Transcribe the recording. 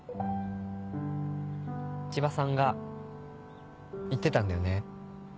千葉さんが言ってたんだよね。